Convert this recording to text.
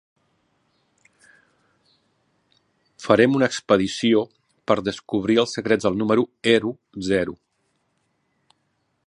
Farem una expedició per descobrir els secrets del número ero zero.